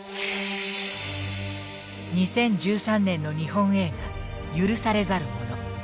２０１３年の日本映画「許されざる者」。